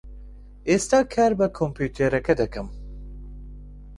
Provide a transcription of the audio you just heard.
ئێستا کار بە کۆمپیوتەرەکە دەکەم.